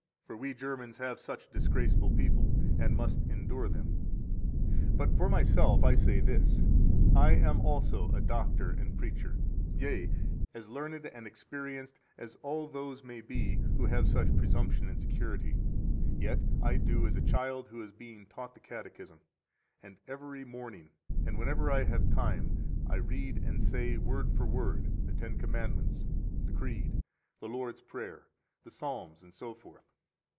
For we Germans have such disgraceful people, and must endure them. 7 But for myself I say this: I am also a doctor and preacher, yea, as learned and experienced as all those may be who have such presumption and security; yet I do as a child who is being taught the Catechism, and ever morning, and whenever I have time, I read and say, word for word, the Ten Commandments, the Creed, the Lord's Prayer, the Psalms, etc.